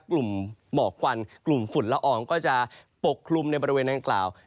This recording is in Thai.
หมอกควันกลุ่มฝุ่นละอองก็จะปกคลุมในบริเวณนางกล่าว